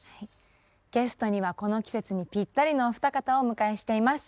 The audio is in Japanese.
ゲストにはこの季節にぴったりのお二方をお迎えしています。